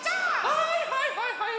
はいはいはいはい！